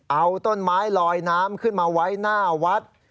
เอาต้นไม้ลอยน้ำขึ้นมาไว้หน้าวัด